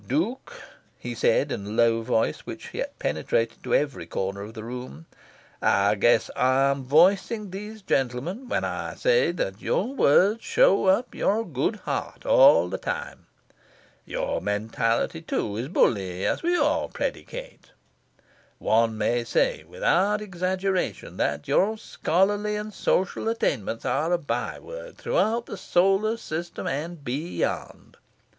"Duke," he said in a low voice, which yet penetrated to every corner of the room, "I guess I am voicing these gentlemen when I say that your words show up your good heart, all the time. Your mentality, too, is bully, as we all predicate. One may say without exaggeration that your scholarly and social attainments are a by word throughout the solar system, and be yond.